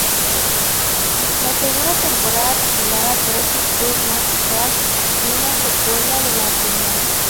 La segunda temporada, titulada Pretty Cure Max Heart, una secuela de la primera.